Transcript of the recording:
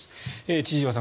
千々岩さん